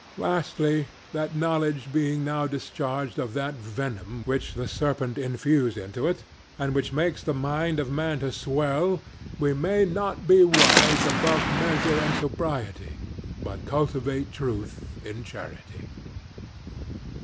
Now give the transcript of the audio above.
Lastly, that knowledge being now discharged of that venom which the serpent infused into it, and which makes the mind of man to swell, we may not be wise above measure and sobriety, but cultivate truth in charity.